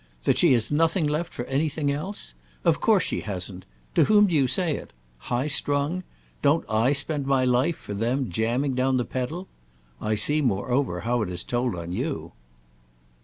"That she has nothing left for anything else? Of course she hasn't. To whom do you say it? High strung? Don't I spend my life, for them, jamming down the pedal? I see moreover how it has told on you."